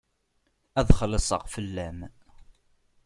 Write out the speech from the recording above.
Ad xellṣeɣ fell-am.